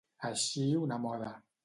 Eixir una moda.